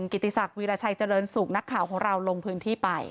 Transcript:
กิติศักดิราชัยเจริญสุขนักข่าวของเราลงพื้นที่ไป